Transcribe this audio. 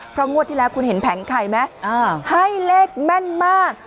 เพราะงวดที่แล้วคุณเห็นแผงไข่ไหมให้เลขแม่นมาก